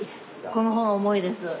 この方が重いです。